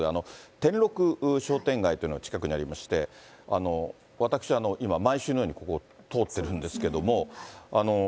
てんろく商店街というのが近くにありまして、私、今、毎週のようにここを通ってるんですけど。